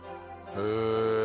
へえ！